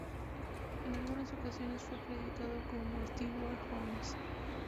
En algunas ocasiones fue acreditado como Stewart Holmes.